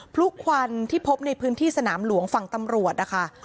ลุกควันที่พบในพื้นที่สนามหลวงฝั่งตำรวจนะคะ